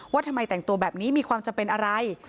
ว่าทำไมแต่งตัวแบบนี้มีความจำเป็นอะไร